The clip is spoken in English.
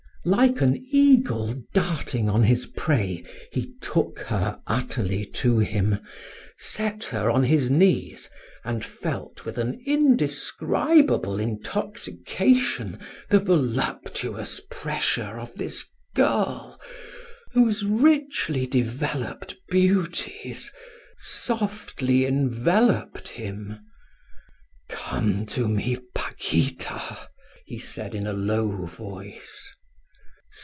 Like an eagle darting on his prey, he took her utterly to him, set her on his knees, and felt with an indescribable intoxication the voluptuous pressure of this girl, whose richly developed beauties softly enveloped him. "Come to me, Paquita!" he said, in a low voice.